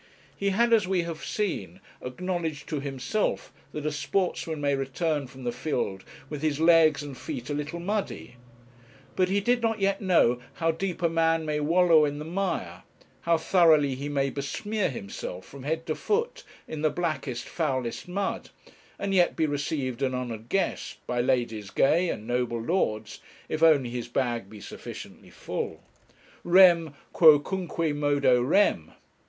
He had, as we have seen, acknowledged to himself that a sportsman may return from the field with his legs and feet a little muddy; but he did not yet know how deep a man may wallow in the mire, how thoroughly he may besmear himself from head to foot in the blackest, foulest mud, and yet be received an honoured guest by ladies gay and noble lords, if only his bag be sufficiently full. Rem..., quocunque modo rem!